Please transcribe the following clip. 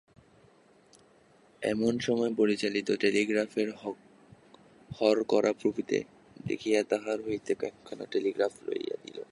এমন সময় পরিচিত টেলিগ্রাফের হরকরা ভূপতিকে দেখিয়া তাহার হাতে একখানা টেলিগ্রাফ লইয়া দিল।